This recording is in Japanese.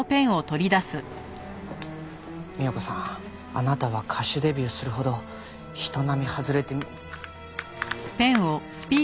三代子さんあなたは歌手デビューするほど人並み外れて。